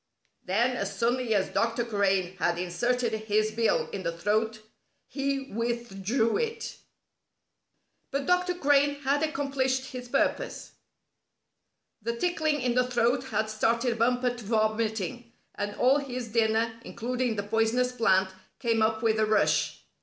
Then, as suddenly as Dr. Crane had inserted his bill in the throat, he withdrew it. But Dr. Crane had accomplished his purpose. The tickling in the throat had started Bumper to vomiting, and all his dinner, including the poisonous plant, came up with a rush.